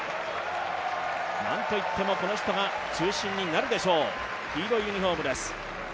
なんといってもこの人が中心になるでしょう、黄色いユニフォームです。